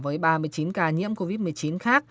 với ba mươi chín ca nhiễm covid một mươi chín khác